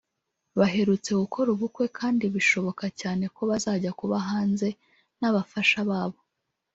baherutse gukora ubukwe kandi bishoboka cyane ko bazajya kuba hanze n'abafasha babo